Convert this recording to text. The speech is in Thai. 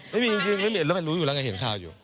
ไม่มีจริงแล้วมันรู้อยู่แล้วไงเห็นข่าวอยู่